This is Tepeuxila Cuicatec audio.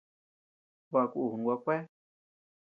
Baʼa kun gua kuea.